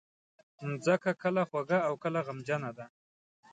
مځکه کله خوږه او کله غمجنه ده.